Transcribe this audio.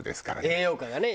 栄養価がね。